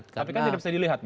tapi kan tidak bisa dilihat